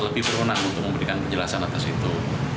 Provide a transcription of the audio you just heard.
lebih berwenang untuk memberikan penjelasan atas itu